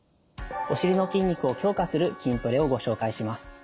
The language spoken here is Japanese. お尻の筋肉を強化する筋トレをご紹介します。